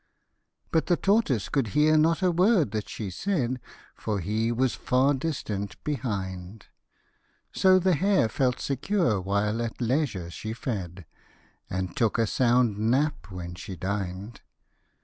" But the tortoise could hear not a word that she said, For he was far distant, behind ; So the hare felt secure whilst at leisure she fed, And took a sound nap when she dined.